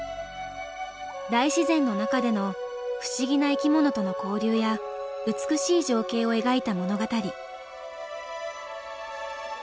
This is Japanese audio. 大自然の中での不思議な生き物との交流や美しい情景を描いた物語。